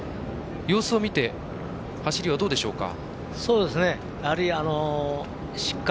様子を見て走りはどうでしょうか？